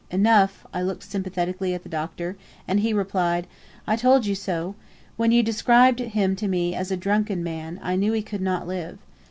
"Enough." I looked sympathetically at the Doctor, and he replied, "I told you so. When you described him to me as a drunken man, I knew he could not live.